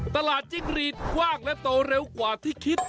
จิ้งรีดกว้างและโตเร็วกว่าที่คิด